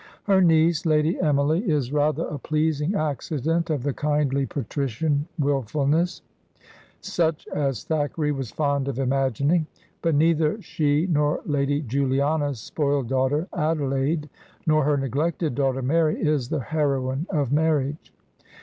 Her niece. Lady Emily, is rather a pleasing accident of the kindly patrician wilfulness, such as Thackeray was fond of imagining ; but neither she nor Lady Juliana's spoiled daughter Adeleiide, nor her neglected daughter Mary, is the heroine of "Marriage."